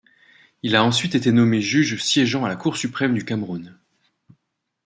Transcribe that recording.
Il a ensuite été nommé juge siégeant à la Cour suprême du Cameroun.